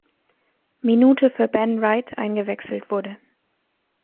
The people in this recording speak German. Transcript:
Minute für Ben Wright eingewechselt wurde.